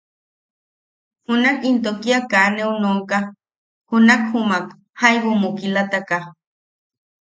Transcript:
Junak into kia kaa neu nooka, junak jumak jaibu mukilataka.